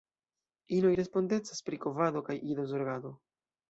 Inoj respondecas pri kovado kaj idozorgado.